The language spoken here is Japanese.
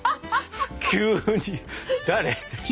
急に誰？